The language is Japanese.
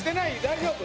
大丈夫？